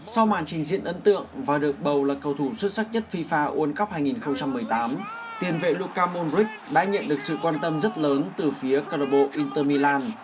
sau màn trình diện ấn tượng và được bầu là cầu thủ xuất sắc nhất fifa world cup hai nghìn một mươi tám tiền vệ luka monric đã nhận được sự quan tâm rất lớn từ phía cơ lộc bộ inter milan